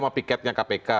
dengan piketnya kpk